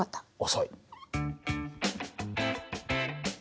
遅い。